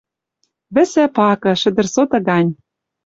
Вӹсӓ пакы, шӹдӹр соты гань.